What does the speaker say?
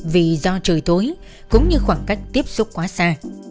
vì do trời tối cũng như khoảng cách tiếp xúc quá xa